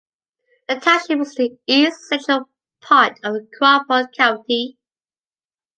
The township is in the east-central part of Crawford County.